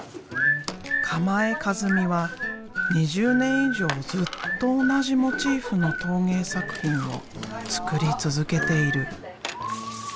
鎌江一美は２０年以上ずっと同じモチーフの陶芸作品を作り続けている。